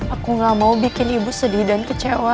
aku gak mau bikin ibu sedih dan kecewa